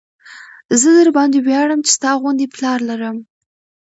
زه درباندې وياړم چې ستا غوندې پلار لرم.